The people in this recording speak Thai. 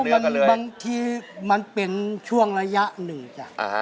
โอ้มันบางทีมันเป็นช่วงระยะหนึ่งจัง